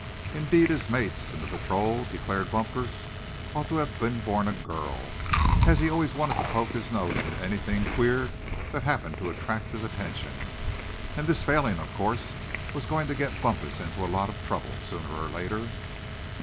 Indeed, his mates in the patrol declared Bumpus ought to have been born a girl, as he always wanted to "poke his nose into anything queer that happened to attract his attention." And this failing, of course, was going to get Bumpus into a lot of trouble, sooner or later.